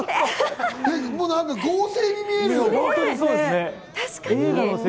合成に見えるよ。